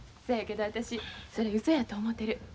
そやけど私それうそやと思てる。